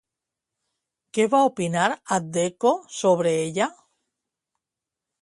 Què va opinar Addecco sobre ella?